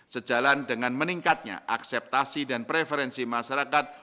sejalan dengan meningkatnya akseptasi dan preferensi masyarakat